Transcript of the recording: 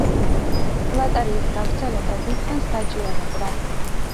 ლატარიის გავრცელება დიდხანს გაჭიანურდა.